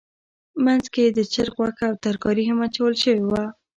منځ کې یې د چرګ غوښه او ترکاري هم اچول شوې وه.